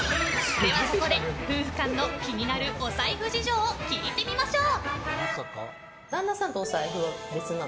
では、ここで夫婦間の気になるお財布事情を聞いてみましょう。